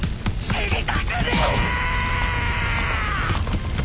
死にたくねえ！